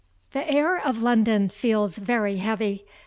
The air of London feels very heavy.